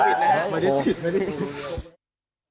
เห็นไหม